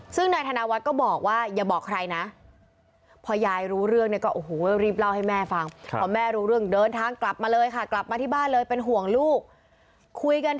ซึ่งนายธนวัฒน์ก็บอกว่าอย่าบอกใครนะ